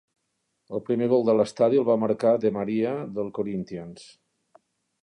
El primer gol de l'estadi el va marcar De Maria, del Corinthians.